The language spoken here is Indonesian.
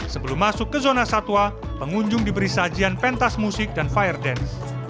sebelum masuk ke zona satwa pengunjung diberi sajian pentas musik dan fire dance